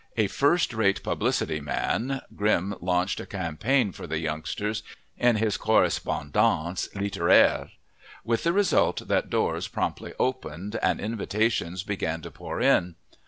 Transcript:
A first rate publicity man, Grimm launched a campaign for the youngsters in his Correspondance littéraire, with the result that doors promptly opened and invitations began to pour in.